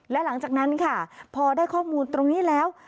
และหลังจากนั้นค่ะพอได้ข้อมูลตรงนี้แล้ว